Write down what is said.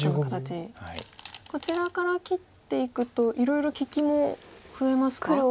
こちらから切っていくといろいろ利きも増えますか？